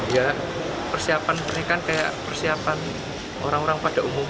ya persiapan pernikahan kayak persiapan orang orang pada umumnya